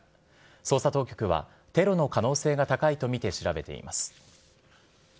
捜査当局は、テロの可能性が高いと見て調べています。